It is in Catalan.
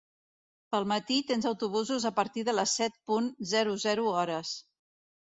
Pel matí tens autobusos a partir de les set punt zero zero hores.